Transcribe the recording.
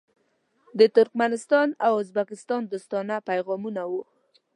د ترکمنستان او ازبکستان دوستانه پیغامونه وو.